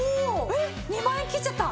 えっ２万円切っちゃった！